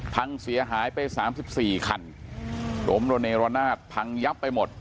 พังเสียหายไปสามสิบสี่คันล้มระเนรนาศพังยับไปหมด